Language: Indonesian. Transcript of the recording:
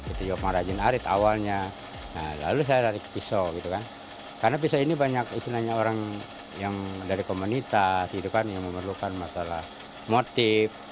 terima kasih arit awalnya lalu saya lari ke pisau gitu kan karena pisau ini banyak istilahnya orang yang dari komunitas gitu kan yang memerlukan masalah motif